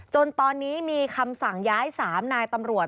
จนตอนนี้มีคำสั่งย้าย๓นายตำรวจ